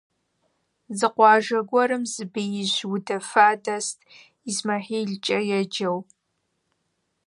Зы къуажэ гуэрым зы беижь удэфа дэст, ИсмэхьилкӀэ еджэу.